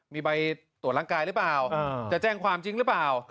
มีใบตรวจร่างกายหรือเปล่าจะแจ้งความจริงหรือเปล่า